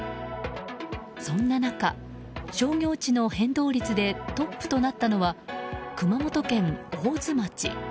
そんな中、商業地の変動率でトップとなったのは熊本県大津町。